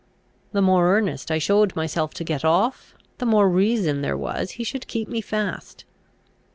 The more earnest I showed myself to get off, the more reason there was he should keep me fast.